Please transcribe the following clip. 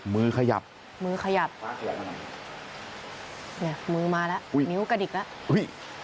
มือขยับมือขยับมือมาแล้วนิ้วกระดิกแล้ว